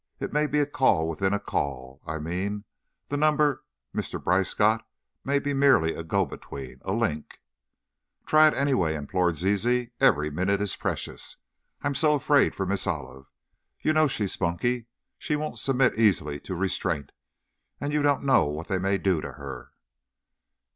It may be a call within a call; I mean, the number Mr. Brice got may be merely a go between a link " "Try it, anyway," implored Zizi; "every minute is precious. I'm so afraid for Miss Olive. You know, she's spunky, she won't submit easily to restraint, and you don't know what they may do to her!"